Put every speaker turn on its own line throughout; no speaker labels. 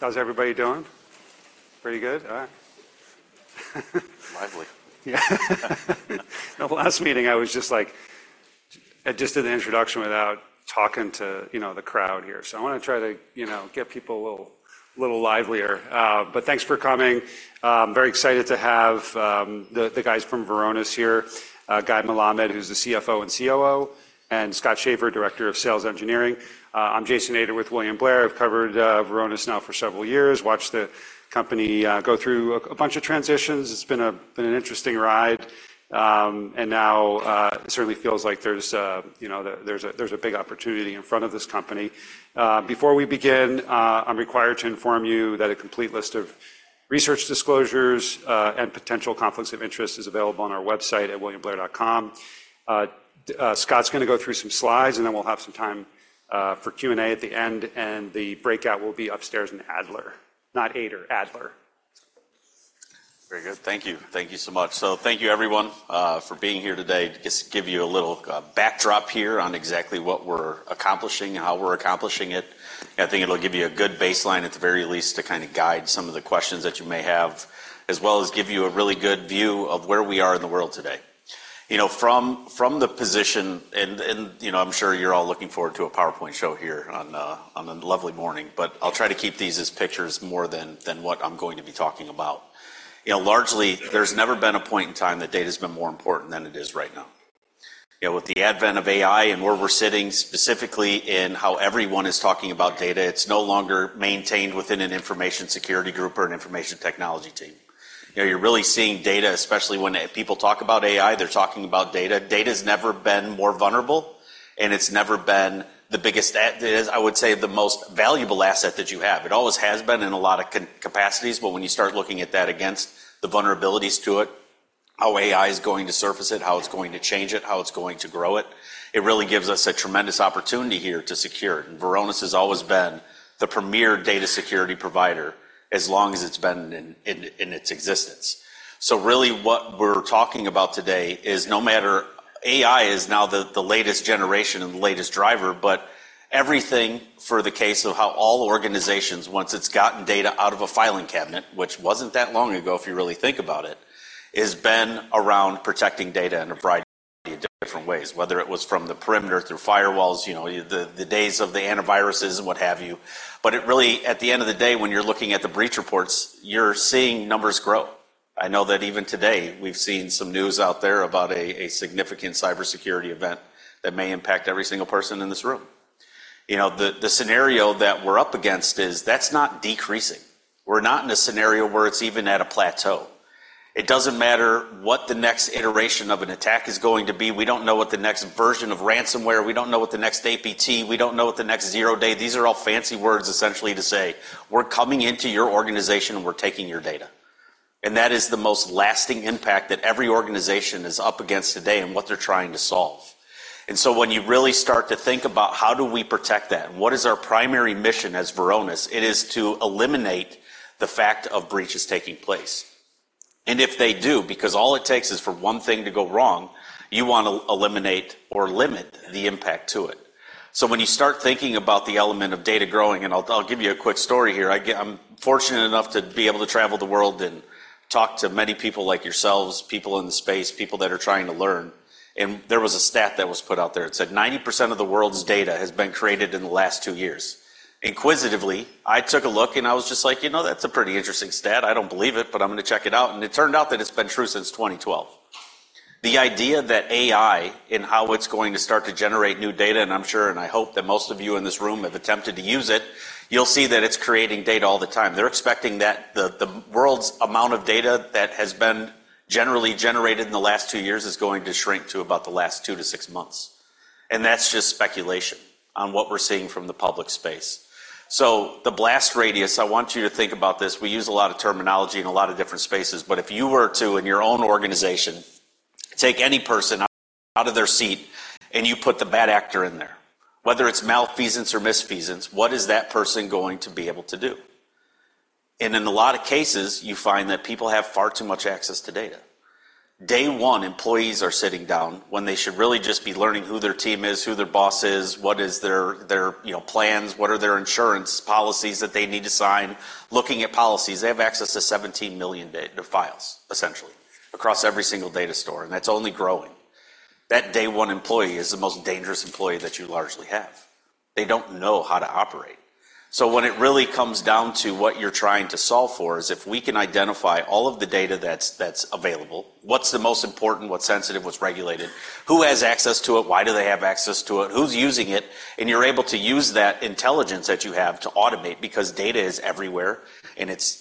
How's everybody doing? Pretty good, all right.
Lively.
The last meeting, I was just like, I just did the introduction without talking to, you know, the crowd here. So I want to try to, you know, get people a little livelier. But thanks for coming. Very excited to have the guys from Varonis here, Guy Melamed, who's the CFO and COO, and Scott Shafer, Director of Sales Engineering. I'm Jason Ader with William Blair. I've covered Varonis now for several years, watched the company go through a bunch of transitions. It's been an interesting ride. And now, it certainly feels like there's a, you know, there's a big opportunity in front of this company. Before we begin, I'm required to inform you that a complete list of research disclosures, and potential conflicts of interest is available on our website at williamblair.com. Scott's going to go through some slides, and then we'll have some time for Q&A at the end, and the breakout will be upstairs in Ader. Not Ader, Ader.
Very good. Thank you. Thank you so much. So thank you, everyone, for being here today. Just give you a little backdrop here on exactly what we're accomplishing and how we're accomplishing it. I think it'll give you a good baseline, at the very least, to kind of guide some of the questions that you may have, as well as give you a really good view of where we are in the world today. You know, from the position, and you know, I'm sure you're all looking forward to a PowerPoint show here on a lovely morning, but I'll try to keep these as pictures more than what I'm going to be talking about. You know, largely, there's never been a point in time that data's been more important than it is right now. You know, with the advent of AI and where we're sitting, specifically in how everyone is talking about data, it's no longer maintained within an information security group or an information technology team. You know, you're really seeing data, especially when people talk about AI, they're talking about data. Data's never been more vulnerable, and it's never been the biggest asset; it is, I would say, the most valuable asset that you have. It always has been in a lot of capacities, but when you start looking at that against the vulnerabilities to it, how AI is going to surface it, how it's going to change it, how it's going to grow it, it really gives us a tremendous opportunity here to secure it. And Varonis has always been the premier data security provider as long as it's been in its existence. So really, what we're talking about today is no matter... AI is now the latest generation and the latest driver, but everything for the case of how all organizations, once it's gotten data out of a filing cabinet, which wasn't that long ago, if you really think about it, has been around protecting data in a variety of different ways, whether it was from the perimeter through firewalls, you know, the days of the antiviruses and what have you. But it really, at the end of the day, when you're looking at the breach reports, you're seeing numbers grow. I know that even today, we've seen some news out there about a significant cybersecurity event that may impact every single person in this room. You know, the scenario that we're up against is that's not decreasing. We're not in a scenario where it's even at a plateau. It doesn't matter what the next iteration of an attack is going to be. We don't know what the next version of ransomware, we don't know what the next APT, we don't know what the next zero day. These are all fancy words essentially to say, "We're coming into your organization, and we're taking your data." And that is the most lasting impact that every organization is up against today and what they're trying to solve. And so when you really start to think about how do we protect that, and what is our primary mission as Varonis, it is to eliminate the fact of breaches taking place. And if they do, because all it takes is for one thing to go wrong, you want to eliminate or limit the impact to it. So when you start thinking about the element of data growing, and I'll, I'll give you a quick story here. I get-- I'm fortunate enough to be able to travel the world and talk to many people like yourselves, people in the space, people that are trying to learn, and there was a stat that was put out there. It said, "90% of the world's data has been created in the last 2 years." Inquisitively, I took a look, and I was just like: You know, that's a pretty interesting stat. I don't believe it, but I'm going to check it out. It turned out that it's been true since 2012. The idea that AI, in how it's going to start to generate new data, and I'm sure, and I hope that most of you in this room have attempted to use it, you'll see that it's creating data all the time. They're expecting that the world's amount of data that has been generally generated in the last 2 years is going to shrink to about the last 2-6 months, and that's just speculation on what we're seeing from the public space. So the blast radius, I want you to think about this. We use a lot of terminology in a lot of different spaces, but if you were to, in your own organization, take any person out of their seat, and you put the bad actor in there, whether it's malfeasance or misfeasance, what is that person going to be able to do? In a lot of cases, you find that people have far too much access to data. Day one, employees are sitting down when they should really just be learning who their team is, who their boss is, what is their, you know, plans, what are their insurance policies that they need to sign. Looking at policies, they have access to 17 million data files, essentially, across every single data store, and that's only growing. That day-one employee is the most dangerous employee that you largely have. They don't know how to operate. So when it really comes down to what you're trying to solve for is if we can identify all of the data that's available, what's the most important, what's sensitive, what's regulated? Who has access to it? Why do they have access to it? Who's using it? And you're able to use that intelligence that you have to automate because data is everywhere, and it's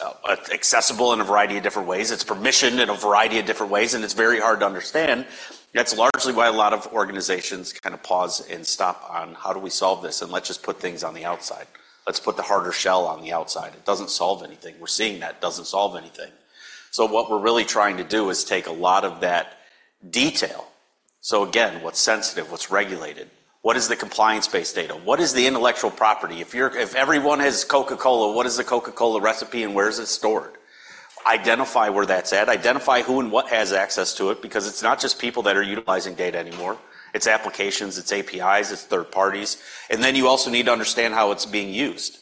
accessible in a variety of different ways. It's permissioned in a variety of different ways, and it's very hard to understand. That's largely why a lot of organizations kind of pause and stop on: How do we solve this? And let's just put things on the outside. Let's put the harder shell on the outside. It doesn't solve anything. We're seeing that. It doesn't solve anything. So what we're really trying to do is take a lot of that detail. So again, what's sensitive? What's regulated? What is the compliance-based data? What is the intellectual property? If everyone has Coca-Cola, what is the Coca-Cola recipe, and where is it stored? Identify where that's at, identify who and what has access to it, because it's not just people that are utilizing data anymore. It's applications, it's APIs, it's third parties. And then you also need to understand how it's being used.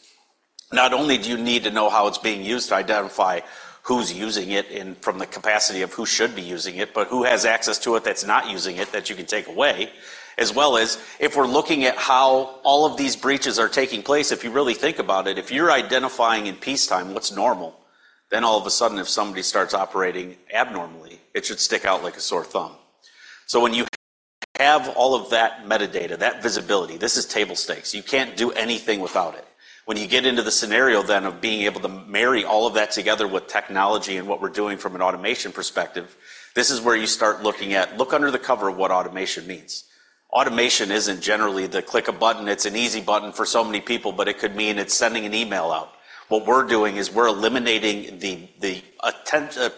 Not only do you need to know how it's being used to identify who's using it in, from the capacity of who should be using it, but who has access to it that's not using it, that you can take away, as well as if we're looking at how all of these breaches are taking place. If you really think about it, if you're identifying in peacetime what's normal, then all of a sudden, if somebody starts operating abnormally, it should stick out like a sore thumb. So when you have all of that metadata, that visibility, this is table stakes. You can't do anything without it. When you get into the scenario then of being able to marry all of that together with technology and what we're doing from an automation perspective, this is where you start looking at, look under the cover of what automation means. Automation isn't generally the click a button. It's an easy button for so many people, but it could mean it's sending an email out. What we're doing is we're eliminating the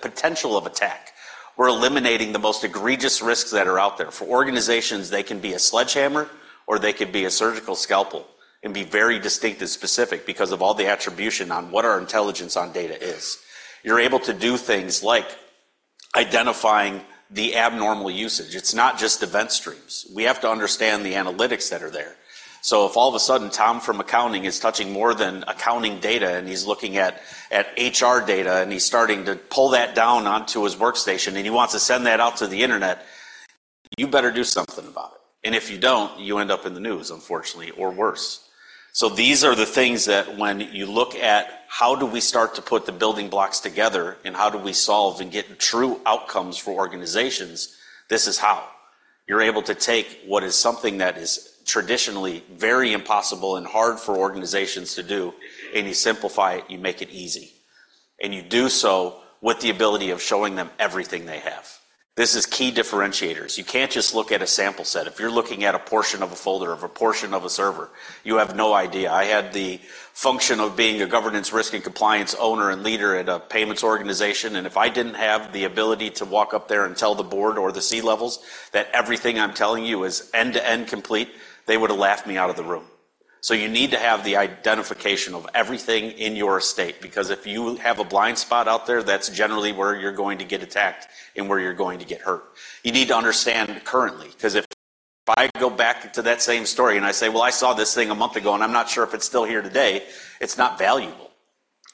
potential of attack. We're eliminating the most egregious risks that are out there. For organizations, they can be a sledgehammer, or they could be a surgical scalpel and be very distinct and specific because of all the attribution on what our intelligence on data is. You're able to do things like identifying the abnormal usage. It's not just event streams. We have to understand the analytics that are there. So if all of a sudden, Tom, from Accounting, is touching more than accounting data, and he's looking at, at HR data, and he's starting to pull that down onto his workstation, and he wants to send that out to the internet, you better do something about it, and if you don't, you end up in the news, unfortunately, or worse. So these are the things that when you look at how do we start to put the building blocks together and how do we solve and get true outcomes for organizations, this is how. You're able to take what is something that is traditionally very impossible and hard for organizations to do, and you simplify it, you make it easy, and you do so with the ability of showing them everything they have. This is key differentiators. You can't just look at a sample set. If you're looking at a portion of a folder, of a portion of a server, you have no idea. I had the function of being a governance risk and compliance owner and leader at a payments organization, and if I didn't have the ability to walk up there and tell the board or the C-levels that everything I'm telling you is end-to-end complete, they would have laughed me out of the room. So you need to have the identification of everything in your estate, because if you have a blind spot out there, that's generally where you're going to get attacked and where you're going to get hurt. You need to understand currency, because if I go back to that same story and I say, "Well, I saw this thing a month ago, and I'm not sure if it's still here today," it's not valuable.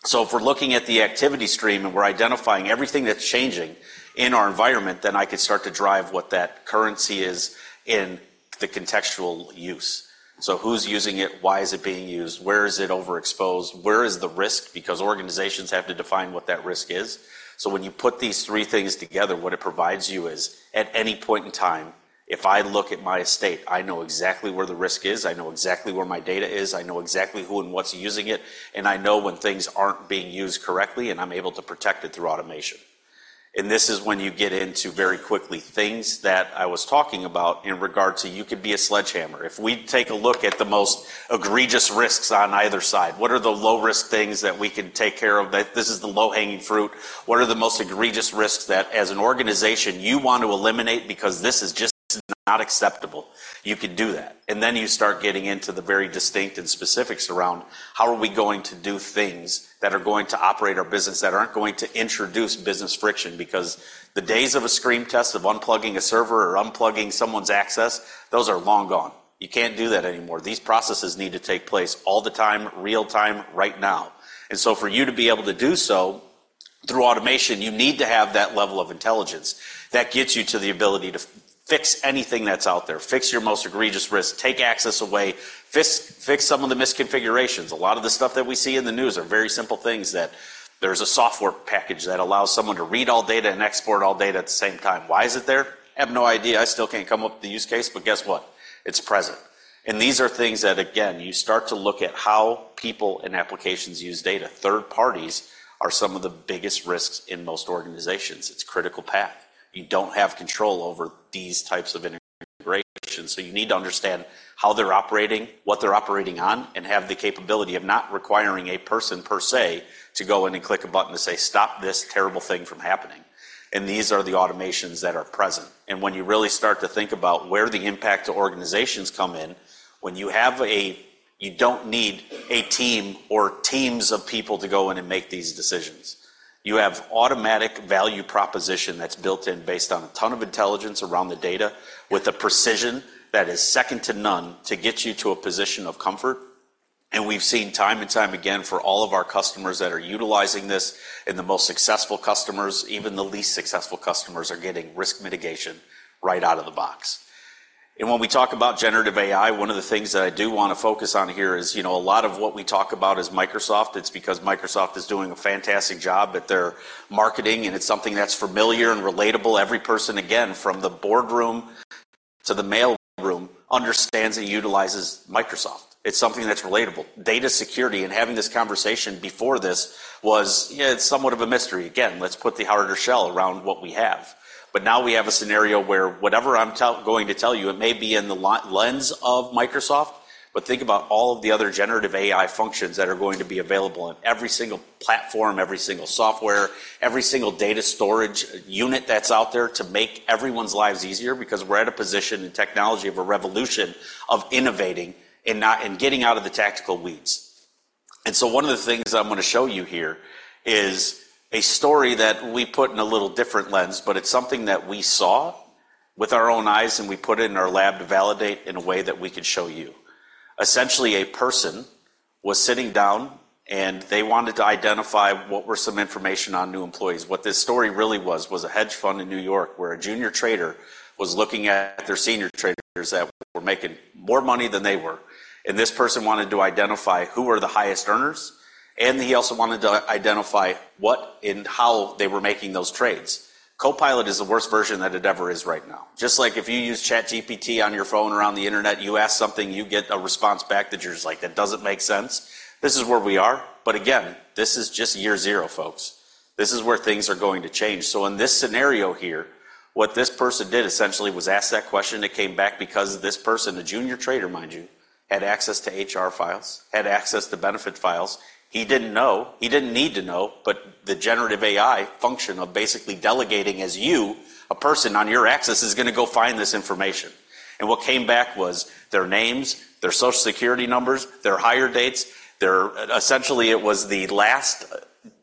So if we're looking at the activity stream, and we're identifying everything that's changing in our environment, then I can start to drive what that currency is in the contextual use. So who's using it? Why is it being used? Where is it overexposed? Where is the risk? Because organizations have to define what that risk is. So when you put these three things together, what it provides you is, at any point in time, if I look at my estate, I know exactly where the risk is, I know exactly where my data is, I know exactly who and what's using it, and I know when things aren't being used correctly, and I'm able to protect it through automation. And this is when you get into, very quickly, things that I was talking about in regard to you could be a sledgehammer. If we take a look at the most egregious risks on either side, what are the low-risk things that we can take care of, that this is the low-hanging fruit? What are the most egregious risks that, as an organization, you want to eliminate because this is just not acceptable? You can do that. And then you start getting into the very distinct and specifics around how are we going to do things that are going to operate our business, that aren't going to introduce business friction? Because the days of a scream test, of unplugging a server or unplugging someone's access, those are long gone. You can't do that anymore. These processes need to take place all the time, real-time, right now. And so for you to be able to do so through automation, you need to have that level of intelligence that gets you to the ability to fix anything that's out there, fix your most egregious risk, take access away, fix some of the misconfigurations. A lot of the stuff that we see in the news are very simple things that there's a software package that allows someone to read all data and export all data at the same time. Why is it there? I have no idea. I still can't come up with the use case, but guess what? It's present. These are things that, again, you start to look at how people and applications use data. Third parties are some of the biggest risks in most organizations. It's critical path. You don't have control over these types of integrations, so you need to understand how they're operating, what they're operating on, and have the capability of not requiring a person per se, to go in and click a button to say, "Stop this terrible thing from happening." These are the automations that are present. When you really start to think about where the impact to organizations come in, when you have a... You don't need a team or teams of people to go in and make these decisions. You have automatic value proposition that's built in based on a ton of intelligence around the data, with a precision that is second to none, to get you to a position of comfort. We've seen time and time again for all of our customers that are utilizing this, and the most successful customers, even the least successful customers, are getting risk mitigation right out of the box. When we talk about generative AI, one of the things that I do want to focus on here is, you know, a lot of what we talk about is Microsoft. It's because Microsoft is doing a fantastic job at their marketing, and it's something that's familiar and relatable. Every person, again, from the boardroom to the mailroom, understands and utilizes Microsoft. It's something that's relatable. Data security and having this conversation before this was, yeah, it's somewhat of a mystery. Again, let's put the harder shell around what we have. But now we have a scenario where whatever I'm going to tell you, it may be in the lens of Microsoft, but think about all of the other generative AI functions that are going to be available on every single platform, every single software, every single data storage unit that's out there to make everyone's lives easier, because we're at a position in technology of a revolution, of innovating and getting out of the tactical weeds.... And so one of the things I'm going to show you here is a story that we put in a little different lens, but it's something that we saw with our own eyes, and we put it in our lab to validate in a way that we could show you. Essentially, a person was sitting down, and they wanted to identify what were some information on new employees. What this story really was, was a hedge fund in New York, where a junior trader was looking at their senior traders that were making more money than they were, and this person wanted to identify who were the highest earners, and he also wanted to identify what and how they were making those trades. Copilot is the worst version that it ever is right now. Just like if you use ChatGPT on your phone or on the internet, you ask something, you get a response back that you're just like, "That doesn't make sense." This is where we are, but again, this is just year zero, folks. This is where things are going to change. So in this scenario here, what this person did essentially was ask that question. It came back because this person, a junior trader, mind you, had access to HR files, had access to benefit files. He didn't know, he didn't need to know, but the generative AI function of basically delegating as you, a person on your access, is going to go find this information. And what came back was their names, their Social Security numbers, their hire dates, their essentially, it was the last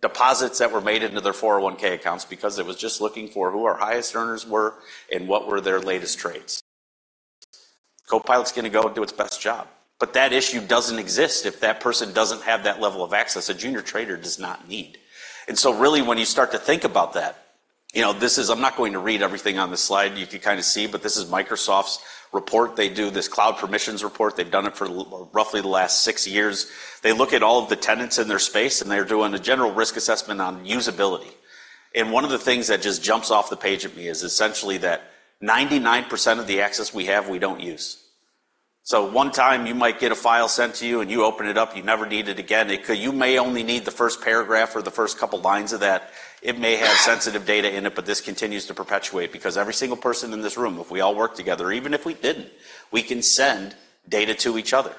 deposits that were made into their 401(k) accounts because it was just looking for who our highest earners were and what were their latest trades. Copilot's going to go and do its best job, but that issue doesn't exist if that person doesn't have that level of access a junior trader does not need. And so really, when you start to think about that, you know, this is... I'm not going to read everything on this slide. You can kind of see, but this is Microsoft's report. They do this cloud permissions report. They've done it for roughly the last six years. They look at all of the tenants in their space, and they're doing a general risk assessment on usability. One of the things that just jumps off the page at me is essentially that 99% of the access we have, we don't use. So one time you might get a file sent to you, and you open it up, you never need it again. You may only need the first paragraph or the first couple lines of that. It may have sensitive data in it, but this continues to perpetuate because every single person in this room, if we all work together, even if we didn't, we can send data to each other,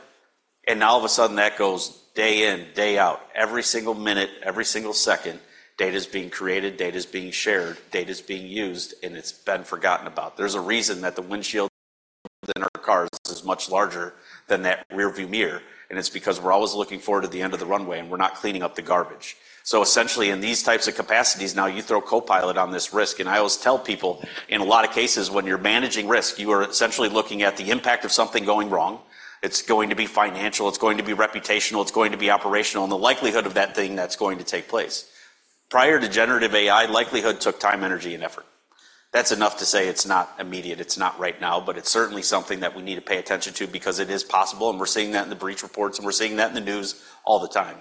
and now all of a sudden, that goes day in, day out. Every single minute, every single second, data's being created, data's being shared, data's being used, and it's been forgotten about. There's a reason that the windshield in our cars is much larger than that rearview mirror, and it's because we're always looking forward to the end of the runway, and we're not cleaning up the garbage. So essentially, in these types of capacities, now you throw Copilot on this risk, and I always tell people, in a lot of cases, when you're managing risk, you are essentially looking at the impact of something going wrong. It's going to be financial, it's going to be reputational, it's going to be operational, and the likelihood of that thing that's going to take place. Prior to generative AI, likelihood took time, energy, and effort. That's enough to say it's not immediate, it's not right now, but it's certainly something that we need to pay attention to because it is possible, and we're seeing that in the breach reports, and we're seeing that in the news all the time.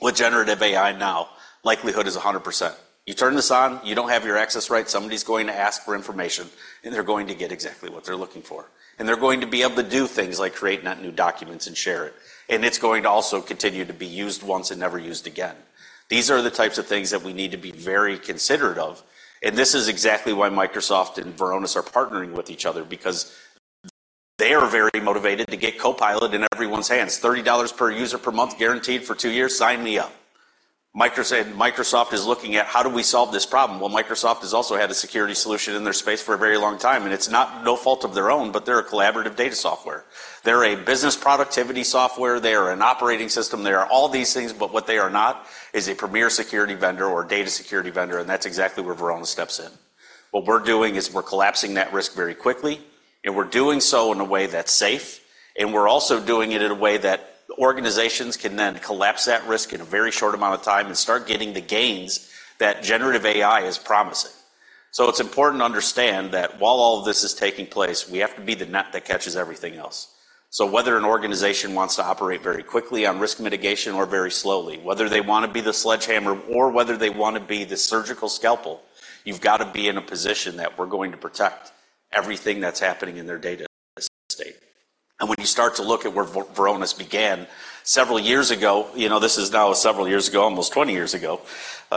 With generative AI now, likelihood is 100%. You turn this on, you don't have your access right, somebody's going to ask for information, and they're going to get exactly what they're looking for. And they're going to be able to do things like create that new documents and share it, and it's going to also continue to be used once and never used again. These are the types of things that we need to be very considerate of, and this is exactly why Microsoft and Varonis are partnering with each other because they are very motivated to get Copilot in everyone's hands. $30 per user per month, guaranteed for 2 years? Sign me up. Microsoft is looking at: How do we solve this problem? Well, Microsoft has also had a security solution in their space for a very long time, and it's not no fault of their own, but they're a collaborative data software. They're a business productivity software. They are an operating system. They are all these things, but what they are not is a premier security vendor or a data security vendor, and that's exactly where Varonis steps in. What we're doing is we're collapsing that risk very quickly, and we're doing so in a way that's safe, and we're also doing it in a way that organizations can then collapse that risk in a very short amount of time and start getting the gains that generative AI is promising. So it's important to understand that while all of this is taking place, we have to be the net that catches everything else. So whether an organization wants to operate very quickly on risk mitigation or very slowly, whether they want to be the sledgehammer or whether they want to be the surgical scalpel, you've got to be in a position that we're going to protect everything that's happening in their data estate. When you start to look at where Varonis began several years ago, you know, this is now several years ago, almost 20 years ago,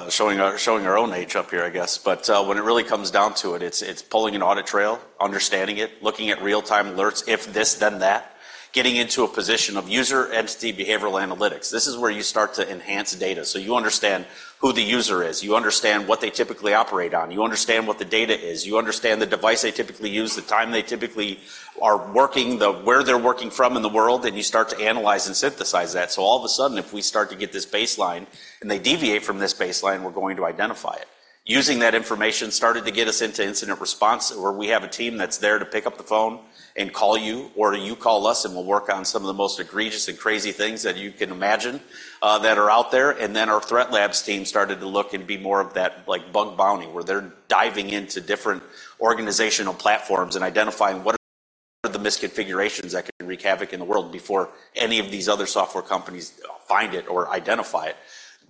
showing our, showing our own age up here, I guess. But when it really comes down to it, it's pulling an audit trail, understanding it, looking at real-time alerts, if this, then that, getting into a position of user entity behavioral analytics. This is where you start to enhance data, so you understand who the user is. You understand what they typically operate on. You understand what the data is. You understand the device they typically use, the time they typically are working, the where they're working from in the world, and you start to analyze and synthesize that. So all of a sudden, if we start to get this baseline and they deviate from this baseline, we're going to identify it. Using that information started to get us into incident response, where we have a team that's there to pick up the phone and call you, or you call us, and we'll work on some of the most egregious and crazy things that you can imagine, that are out there. And then our Threat Labs team started to look and be more of that, like bug bounty, where they're diving into different organizational platforms and identifying what are the misconfigurations that can wreak havoc in the world before any of these other software companies find it or identify it.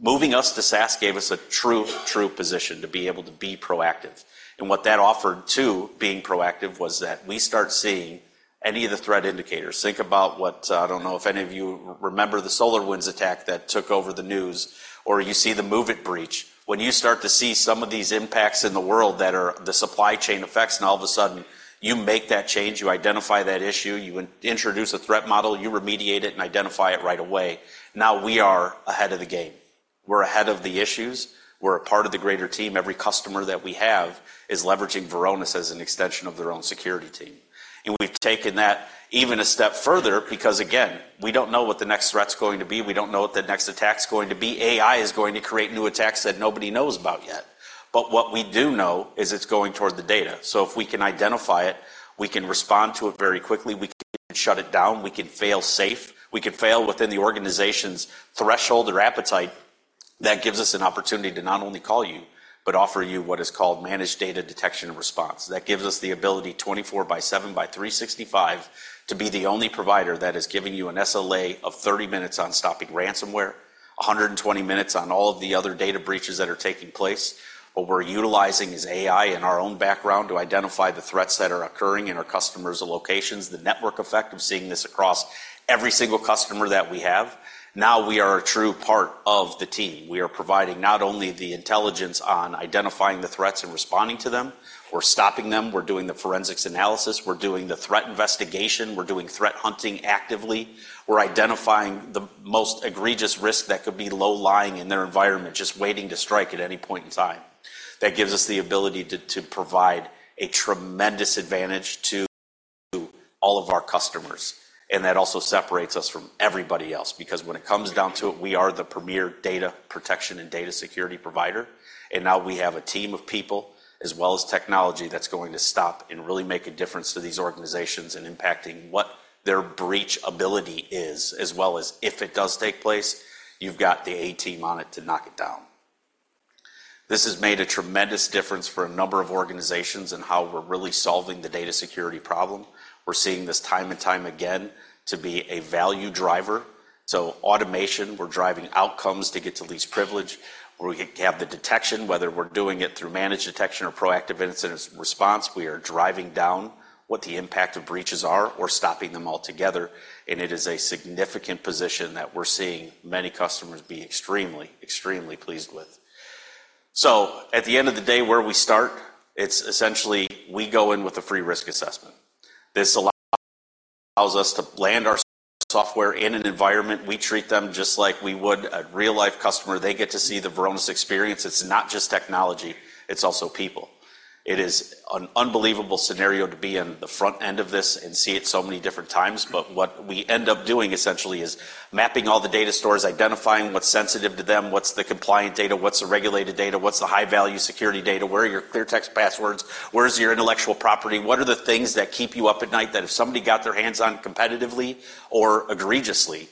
Moving us to SaaS gave us a true, true position to be able to be proactive, and what that offered, too, being proactive, was that we start seeing any of the threat indicators. Think about what... I don't know if any of you remember the SolarWinds attack that took over the news, or you see the MOVEit breach. When you start to see some of these impacts in the world that are the supply chain effects, and all of a sudden, you make that change, you identify that issue, you introduce a threat model, you remediate it and identify it right away. Now, we are ahead of the game... We're ahead of the issues. We're a part of the greater team. Every customer that we have is leveraging Varonis as an extension of their own security team, and we've taken that even a step further because, again, we don't know what the next threat's going to be. We don't know what the next attack's going to be. AI is going to create new attacks that nobody knows about yet, but what we do know is it's going toward the data. So if we can identify it, we can respond to it very quickly, we can shut it down, we can fail safe, we can fail within the organization's threshold or appetite. That gives us an opportunity to not only call you, but offer you what is called Managed Data Detection and Response. That gives us the ability, 24/7/365, to be the only provider that is giving you an SLA of 30 minutes on stopping ransomware, 120 minutes on all of the other data breaches that are taking place. What we're utilizing is AI and our own background to identify the threats that are occurring in our customers' locations, the network effect of seeing this across every single customer that we have. Now, we are a true part of the team. We are providing not only the intelligence on identifying the threats and responding to them, we're stopping them, we're doing the forensic analysis, we're doing the threat investigation, we're doing threat hunting actively. We're identifying the most egregious risk that could be low-lying in their environment, just waiting to strike at any point in time. That gives us the ability to provide a tremendous advantage to all of our customers, and that also separates us from everybody else, because when it comes down to it, we are the premier data protection and data security provider, and now we have a team of people, as well as technology, that's going to stop and really make a difference to these organizations in impacting what their breach ability is, as well as if it does take place, you've got the A team on it to knock it down. This has made a tremendous difference for a number of organizations in how we're really solving the data security problem. We're seeing this time and time again to be a value driver. So automation, we're driving outcomes to get to least privilege, where we have the detection, whether we're doing it through managed detection or proactive incident response, we are driving down what the impact of breaches are or stopping them altogether, and it is a significant position that we're seeing many customers be extremely, extremely pleased with. So at the end of the day, where we start, it's essentially we go in with a free risk assessment. This allows us to land our software in an environment. We treat them just like we would a real-life customer. They get to see the Varonis experience. It's not just technology, it's also people. It is an unbelievable scenario to be in the front end of this and see it so many different times, but what we end up doing, essentially, is mapping all the data stores, identifying what's sensitive to them, what's the compliant data, what's the regulated data, what's the high-value security data, where are your clear text passwords, where's your intellectual property, what are the things that keep you up at night that if somebody got their hands on competitively or egregiously,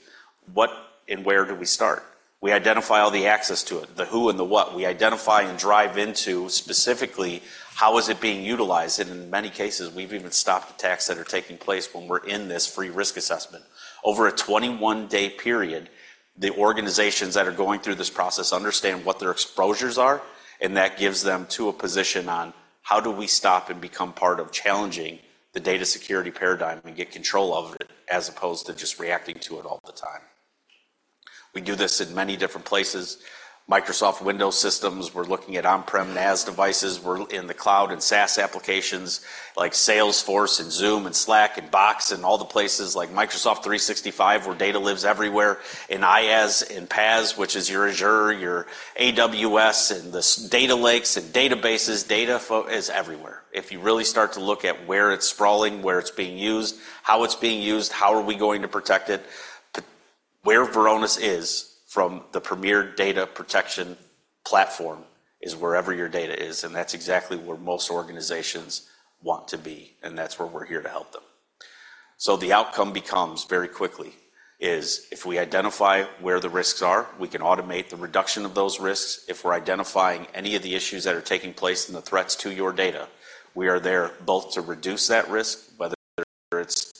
what and where do we start? We identify all the access to it, the who and the what. We identify and drive into specifically, how is it being utilized, and in many cases, we've even stopped attacks that are taking place when we're in this free risk assessment. Over a 21-day period, the organizations that are going through this process understand what their exposures are, and that gives them to a position on how do we stop and become part of challenging the data security paradigm and get control of it, as opposed to just reacting to it all the time. We do this in many different places. Microsoft Windows systems, we're looking at on-prem NAS devices, we're in the cloud and SaaS applications like Salesforce and Zoom and Slack and Box, and all the places like Microsoft 365, where data lives everywhere, in IaaS, in PaaS, which is your Azure, your AWS, and the data lakes and databases. Data is everywhere. If you really start to look at where it's sprawling, where it's being used, how it's being used, how are we going to protect it? Where Varonis is from the premier data protection platform is wherever your data is, and that's exactly where most organizations want to be, and that's where we're here to help them. So the outcome becomes very quickly; is if we identify where the risks are, we can automate the reduction of those risks. If we're identifying any of the issues that are taking place and the threats to your data, we are there both to reduce that risk, whether it's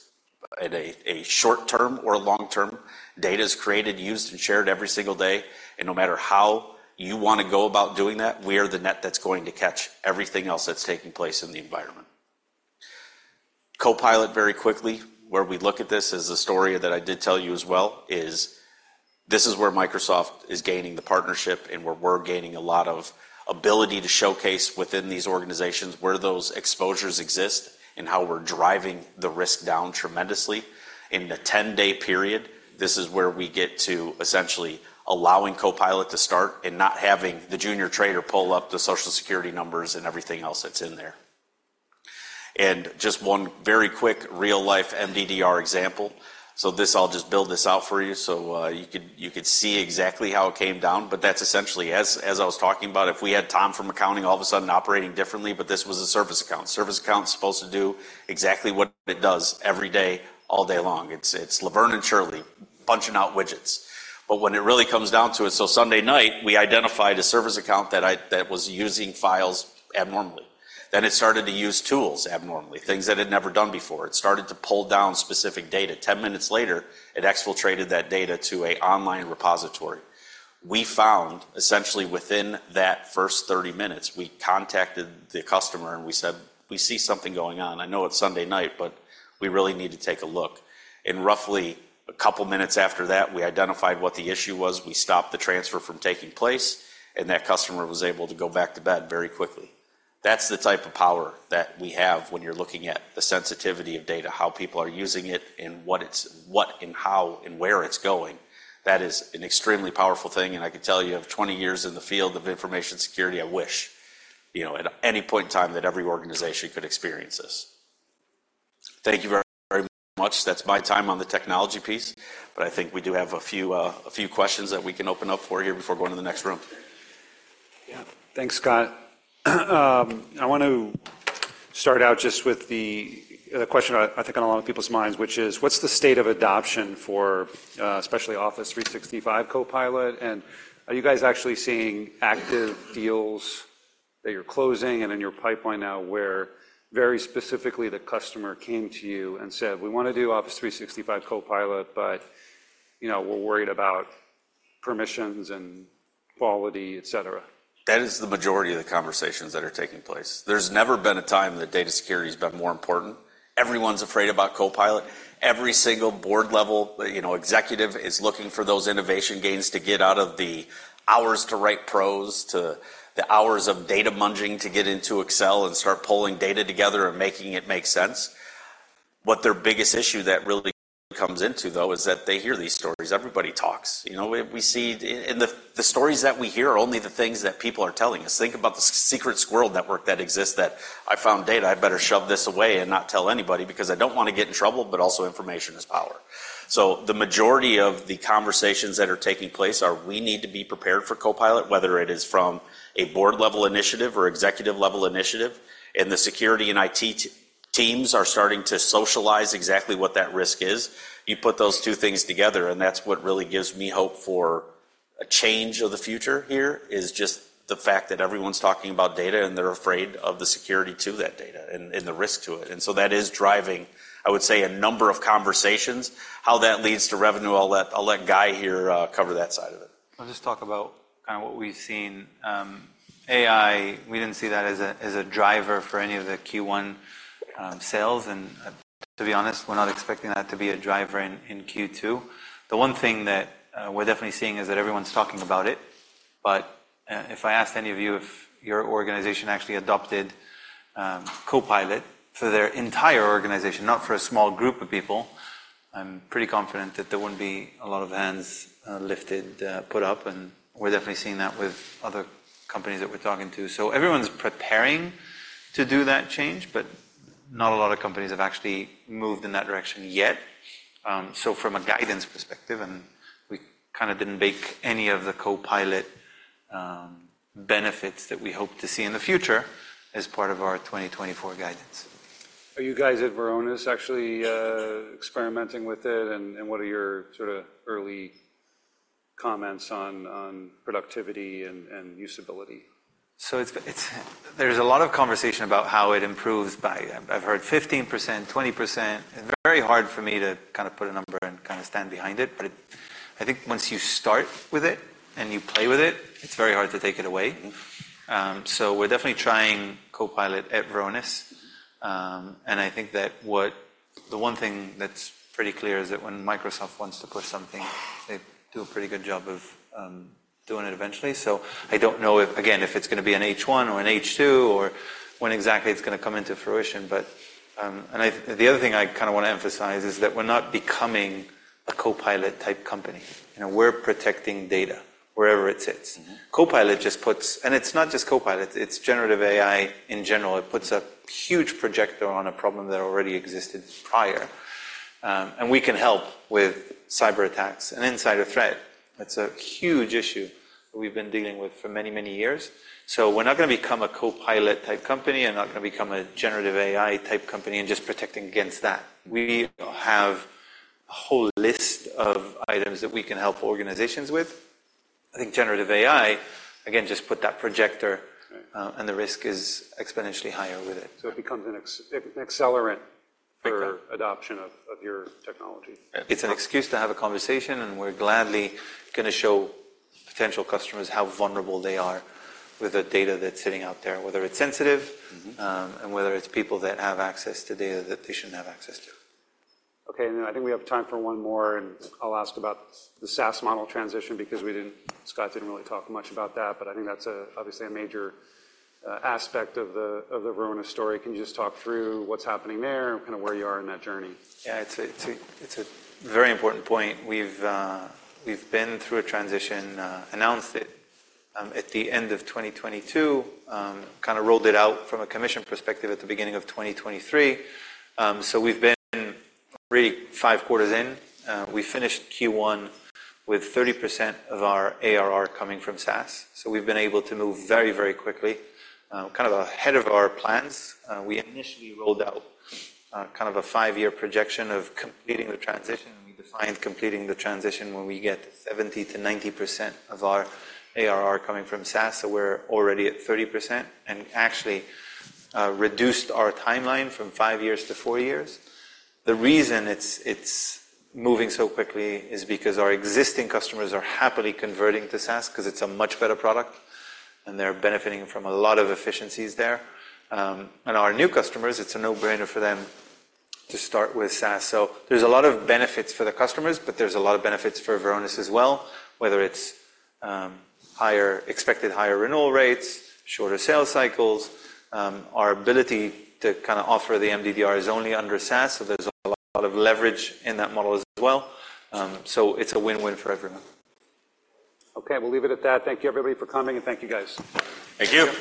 at a short term or long term. Data is created, used, and shared every single day, and no matter how you want to go about doing that, we are the net that's going to catch everything else that's taking place in the environment. Copilot, very quickly, where we look at this, as the story that I did tell you as well, is this is where Microsoft is gaining the partnership and where we're gaining a lot of ability to showcase within these organizations where those exposures exist and how we're driving the risk down tremendously. In a 10-day period, this is where we get to essentially allowing Copilot to start and not having the junior trader pull up the Social Security numbers and everything else that's in there. Just one very quick, real-life MDDR example. This, I'll just build this out for you so you could, you could see exactly how it came down, but that's essentially as I was talking about, if we had Tom from accounting all of a sudden operating differently, but this was a service account. Service account's supposed to do exactly what it does every day, all day long. It's, it's Laverne and Shirley bunching out widgets. But when it really comes down to it... So Sunday night, we identified a service account that was using files abnormally. Then it started to use tools abnormally, things it had never done before. It started to pull down specific data. 10 minutes later, it exfiltrated that data to an online repository. We found, essentially, within that first 30 minutes, we contacted the customer, and we said, "We see something going on. I know it's Sunday night, but we really need to take a look." And roughly a couple of minutes after that, we identified what the issue was. We stopped the transfer from taking place, and that customer was able to go back to bed very quickly.... That's the type of power that we have when you're looking at the sensitivity of data, how people are using it, and what it's—what, and how, and where it's going. That is an extremely powerful thing, and I can tell you, of 20 years in the field of information security, I wish, you know, at any point in time, that every organization could experience this. Thank you very, very much. That's my time on the technology piece, but I think we do have a few, a few questions that we can open up for here before going to the next room.
Yeah. Thanks, Scott. I want to start out just with the question I think on a lot of people's minds, which is: What's the state of adoption for, especially Office 365 Copilot? And are you guys actually seeing active deals that you're closing and in your pipeline now, where, very specifically, the customer came to you and said, "We want to do Office 365 Copilot, but, you know, we're worried about permissions and quality," etc.?
That is the majority of the conversations that are taking place. There's never been a time that data security has been more important. Everyone's afraid about Copilot. Every single Board-level, you know, executive is looking for those innovation gains to get out of the hours to write prose, to the hours of data munging to get into Excel and start pulling data together and making it make sense. What their biggest issue that really comes into, though, is that they hear these stories. Everybody talks. You know, we see. And the stories that we hear are only the things that people are telling us. Think about the secret squirrel network that exists, that, "I found data. I better shove this away and not tell anybody because I don't want to get in trouble," but also information is power. So the majority of the conversations that are taking place are, we need to be prepared for Copilot, whether it is from a board-level initiative or executive-level initiative, and the security and IT teams are starting to socialize exactly what that risk is. You put those two things together, and that's what really gives me hope for a change of the future here, is just the fact that everyone's talking about data, and they're afraid of the security to that data and, and the risk to it. And so that is driving, I would say, a number of conversations. How that leads to revenue, I'll let, I'll let Guy here cover that side of it.
I'll just talk about kind of what we've seen. AI, we didn't see that as a driver for any of the Q1 sales, and to be honest, we're not expecting that to be a driver in Q2. The one thing that we're definitely seeing is that everyone's talking about it. But if I asked any of you if your organization actually adopted Copilot for their entire organization, not for a small group of people, I'm pretty confident that there wouldn't be a lot of hands lifted, put up, and we're definitely seeing that with other companies that we're talking to. So everyone's preparing to do that change, but not a lot of companies have actually moved in that direction yet. So from a guidance perspective, and we kind of didn't bake any of the Copilot benefits that we hope to see in the future as part of our 2024 guidance.
Are you guys at Varonis actually experimenting with it? And what are your sort of early comments on productivity and usability?
So it's... There's a lot of conversation about how it improves by, I've heard 15%, 20%, and very hard for me to kind of put a number and kind of stand behind it. But I think once you start with it and you play with it, it's very hard to take it away.
Mm-hmm.
So we're definitely trying Copilot at Varonis. And I think that the one thing that's pretty clear is that when Microsoft wants to push something, they do a pretty good job of doing it eventually. So I don't know if, again, if it's going to be an H1 or an H2, or when exactly it's going to come into fruition, but the other thing I kind of want to emphasize is that we're not becoming a Copilot-type company. You know, we're protecting data wherever it sits.
Mm-hmm.
Copilot just puts... It's not just Copilot, it's generative AI in general. It puts a huge projector on a problem that already existed prior. We can help with cyberattacks and insider threat. That's a huge issue we've been dealing with for many, many years. We're not going to become a Copilot-type company and not going to become a generative AI-type company and just protecting against that. We have a whole list of items that we can help organizations with. I think generative AI, again, just put that projector-
Right...
and the risk is exponentially higher with it.
So it becomes an accelerant-
Exactly...
for adoption of your technology?
Yeah. It's an excuse to have a conversation, and we're gladly going to show potential customers how vulnerable they are with the data that's sitting out there, whether it's sensitive-
Mm-hmm...
and whether it's people that have access to data that they shouldn't have access to.
Okay, and I think we have time for one more, and I'll ask about the SaaS model transition because we didn't—Scott didn't really talk much about that, but I think that's obviously a major aspect of the Varonis story. Can you just talk through what's happening there and kind of where you are in that journey?
Yeah, it's a very important point. We've been through a transition, announced it at the end of 2022, kind of rolled it out from a commission perspective at the beginning of 2023. So we've been really five quarters in. We finished Q1 with 30% of our ARR coming from SaaS, so we've been able to move very, very quickly, kind of ahead of our plans. We initially rolled out kind of a 5-year projection of completing the transition, and we defined completing the transition when we get 70%-90% of our ARR coming from SaaS. So we're already at 30% and actually reduced our timeline from 5 years to 4 years. The reason it's moving so quickly is because our existing customers are happily converting to SaaS because it's a much better product, and they're benefiting from a lot of efficiencies there. And our new customers, it's a no-brainer for them to start with SaaS. So there's a lot of benefits for the customers, but there's a lot of benefits for Varonis as well, whether it's higher expected renewal rates, shorter sales cycles. Our ability to kind of offer the MDDR is only under SaaS, so there's a lot of leverage in that model as well. So it's a win-win for everyone.
Okay, we'll leave it at that. Thank you, everybody, for coming, and thank you, guys.
Thank you.